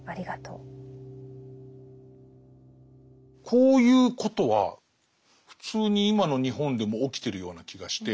こういうことは普通に今の日本でも起きてるような気がして。